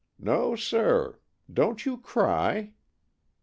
No, sir! Don't you cry."